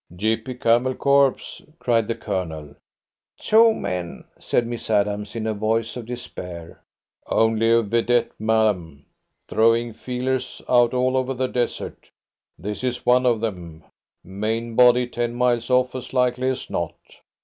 "Gippy Camel Corps!" cried the Colonel. "Two men," said Miss Adams, in a voice of despair. "Only a vedette, ma'am! Throwing feelers out all over the desert. This is one of them. Main body ten miles off, as likely as not.